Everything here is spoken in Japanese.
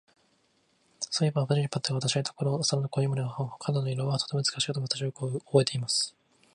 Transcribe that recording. そういえば、リリパットに私がいた頃、あの小人たちの肌の色は、とても美しかったのを、私はよくおぼえています。